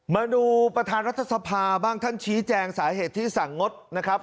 มาดูประธานรัฐสภาบ้างท่านชี้แจงสาเหตุที่สั่งงดนะครับ